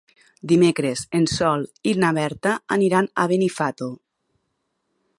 Dimecres en Sol i na Berta aniran a Benifato.